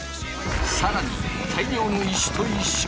更に大量の石と一緒に。